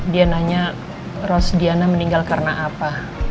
dia nanya ros diana meninggal karena apa